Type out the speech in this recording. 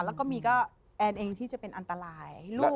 แล้วก็มีก็แอนเองที่จะเป็นอันตราย